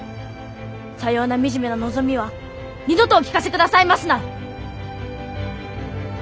さような惨めな望みは二度とお聞かせ下さいますな！